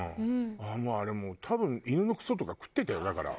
あれもう多分犬のクソとか食ってたよだから。